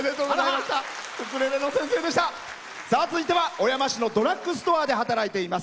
小山市のドラッグストアで働いています。